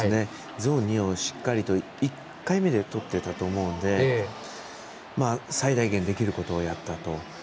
ゾーン２をしっかりと１回目でとっていたと思うので最大限できることをやったと。